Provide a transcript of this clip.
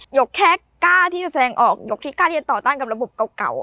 กแค่กล้าที่จะแสดงออกหยกที่กล้าที่จะต่อต้านกับระบบเก่า